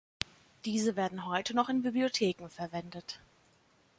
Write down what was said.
Diese werden heute noch in Bibliotheken verwendet.